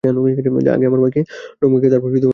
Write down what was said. আগে আমার ভাইকে রং মাখিয়ে আয়, তারপর আমার কাছে আসিস।